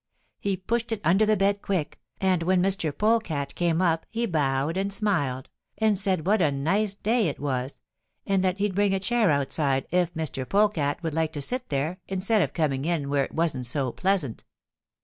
He pushed it under the bed quick, and when Mr. Polecat came up he bowed and smiled, and said what a nice day it was, and that he'd bring a chair outside if Mr. Polecat would like to sit there instead of coming in where it wasn't so pleasant.